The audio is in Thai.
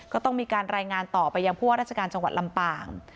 ก็ต้องมีการรายงานต่อไปยังผู้ว่าราชการจังหวัดลำปาง